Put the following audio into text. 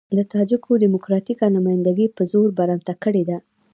د تاجکو ډيموکراتيکه نمايندګي په زور برمته کړې ده.